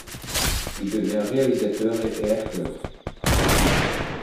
Il devient réalisateur et acteur..